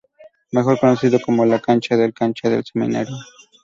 Mejor conocido como la Cancha del Cancha del Seminario.